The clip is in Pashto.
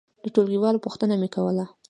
د ټولګي والو پوښتنه مې کوله.